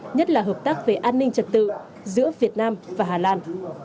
nhất là hợp tác về an ninh trật tự giữa việt nam và hà lan